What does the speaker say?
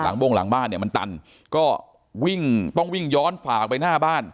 โบ้งหลังบ้านเนี่ยมันตันก็วิ่งต้องวิ่งย้อนฝากไปหน้าบ้าน